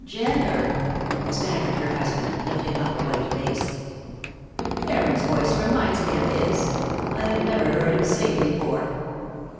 "Jenner," stammered her husband, lifting up a white face. "Heron's voice reminds me of his. I have never heard him sing before."